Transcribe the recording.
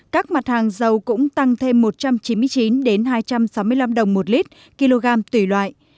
các mặt hàng dầu cũng tăng thêm một trăm chín mươi chín hai trăm sáu mươi năm đồng một lít kg tùy loại